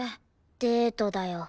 デートだよ。